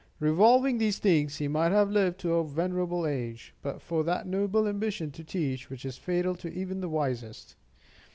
Revolving these things, he might have lived to a venerable age but for that noble ambition to teach, which is fatal to even the wisest.